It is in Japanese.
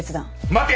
待て！